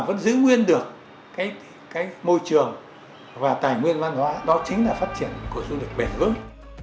vẫn giữ nguyên được cái môi trường và tài nguyên văn hóa đó chính là phát triển của du lịch bền vững